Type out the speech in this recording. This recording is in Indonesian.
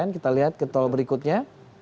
kita lihat ke tol berikutnya